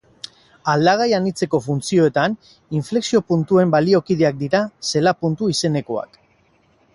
Aldagai anitzeko funtzioetan inflexio-puntuen baliokideak dira zela-puntu izenekoak.